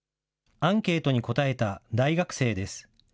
アンケートに答えた大学生です。